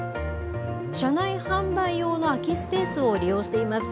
車内販売用の空きスペースを利用しています。